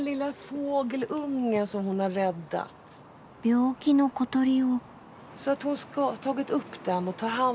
病気の小鳥を。